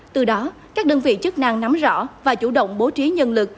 từ đó các đơn vị chức năng nắm rõ và chủ động bố trí nhân lực